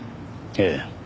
ええ。